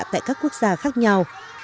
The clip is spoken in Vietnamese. tại các quốc gia khác nhau